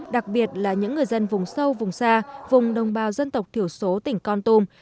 đặc biệt là những người dân vùng sâu vùng xa vùng đồng bào dân tộc thiểu số tỉnh con tum